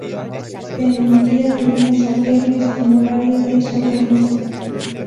Se emitía de lunes a viernes, en horario de sobremesa.